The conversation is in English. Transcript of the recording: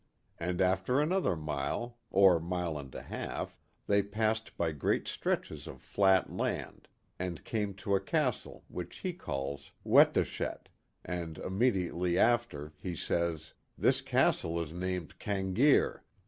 And after another mile, or mile and a half, they passed by great stretches of flat land, and came to a castle which he calls Wetdashet; and immediately after he says: " This Castle is named Canagere."